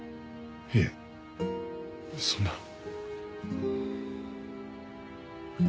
いえそんな。